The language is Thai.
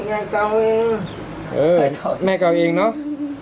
แม่เก่าเองเออแม่เก่าเองเนอะ